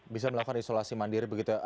bisa melakukan isolasi mandiri begitu